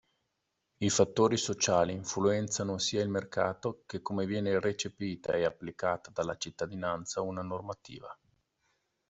I fattori sociali influenzano sia il mercato che come viene recepita e applicata dalla cittadinanza una normativa.